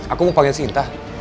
aku mau panggil sinta